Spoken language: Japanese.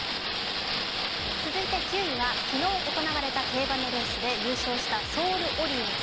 続いて９位は昨日行われた競馬のレースで優勝したソールオリエンス。